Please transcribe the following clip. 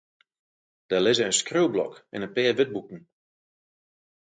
Der lizze in skriuwblok en in pear wurdboeken.